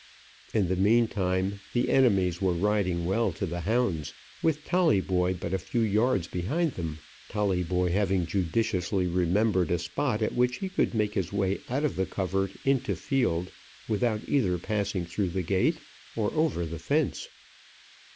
In the mean time the enemies were riding well to the hounds, with Tolleyboy but a few yards behind them, Tolleyboy having judiciously remembered a spot at which he could make his way out of the covert into field without either passing through the gate or over the fence.